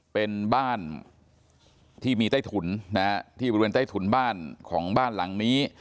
เป็นบ้านที่มีใต้ถุนที่บริเวณใต้ถุนบ้านของบ้านหลังนี้